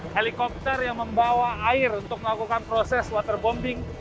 helikopter yang membawa air untuk melakukan proses waterbombing